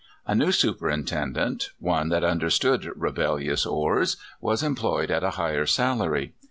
A new superintendent one that understood rebellious ores was employed at a higher salary.